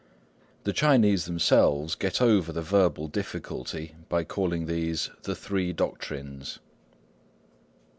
The Chinese themselves get over the verbal difficulty by calling these the Three Doctrines.